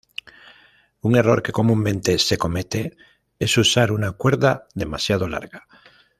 Un error que comúnmente se comete es usar una cuerda demasiado larga.